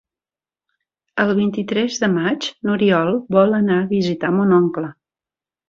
El vint-i-tres de maig n'Oriol vol anar a visitar mon oncle.